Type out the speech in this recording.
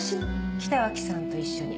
北脇さんと一緒に。